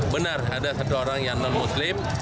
benar ada satu orang yang non muslim